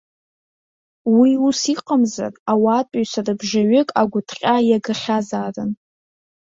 Уи ус иҟамзар, ауаатәыҩса рыбжаҩык агәыҭҟьа иагахьазаарын.